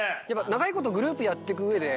長いことグループやってく上で。